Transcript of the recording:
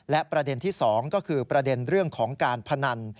และประเด็นที่๒ก็คือประเด็นเรื่องของการพนัน